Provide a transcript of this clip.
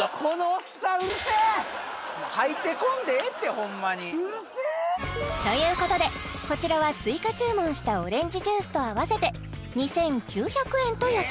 ホンマにということでこちらは追加注文したオレンジジュースと合わせて２９００円と予想！